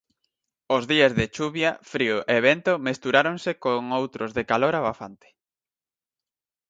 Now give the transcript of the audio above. Os días de chuvia, frío e vento mesturáronse con outros de calor abafante.